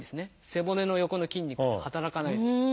背骨の横の筋肉働かないです。